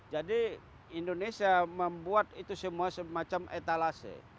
jadi indonesia membuat itu semacam etalase